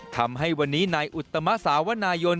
ทำให้วันนี้นายอุตมะสาวนายน